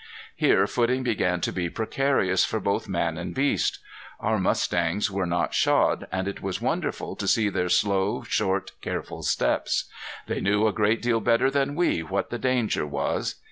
Here footing began to be precarious for both man and beast. Our mustangs were not shod and it was wonderful to see their slow, short, careful steps. They knew a great deal better than we what the danger was.